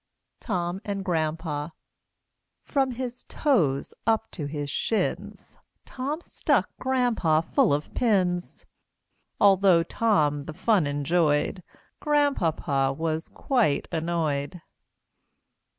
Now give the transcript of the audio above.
TOM AND GRANDPA From his toes up to his shins Tom stuck Grandpa full of pins; Although Tom the fun enjoyed, Grandpapa was quite annoyed.